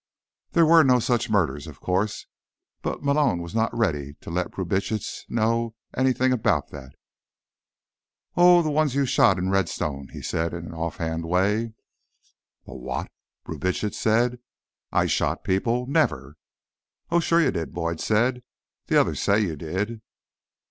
There were no such murders, of course. But Malone was not ready to let Brubitsch know anything about that. "Oh, the ones you shot in Redstone," he said in an offhand way. "The what?" Brubitsch said. "I shot people? Never." "Oh, sure you did," Boyd said. "The others say you did."